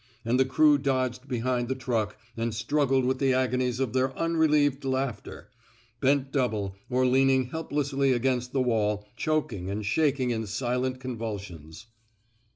And the crew dodged behind the truck and struggled with the agonies of their . unrelieved laughter, bent double, or leaning helplessly against the wall, choking and shaking in silent con vulsions.